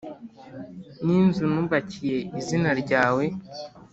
n’inzu nubakiye izina ryawe,